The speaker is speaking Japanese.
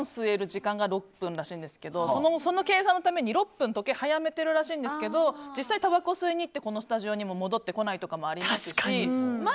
時間が６分らしいんですけどその計算のために６分時計を早めてるようなんですけど実際たばこを吸いに行ってこのスタジオに戻ってこないとかもありますしま